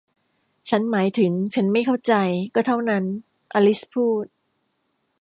ฉันหมายถึงฉันไม่เข้าใจ ก็เท่านั้น อลิซพูด